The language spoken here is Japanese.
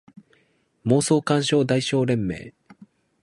妄想感傷代償連盟